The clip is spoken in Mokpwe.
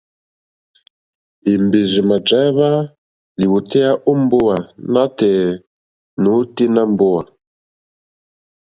Èmbèrzà èmà dráíhwá lìwòtéyá ó mbówà nǎtɛ̀ɛ̀ nǒténá mbówà.